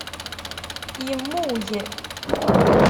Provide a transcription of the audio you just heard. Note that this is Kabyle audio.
Yemmug.